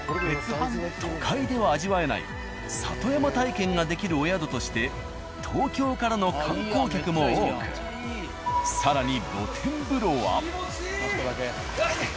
都会では味わえない里山体験ができるお宿として東京からの観光客も多く更に気持ちいい！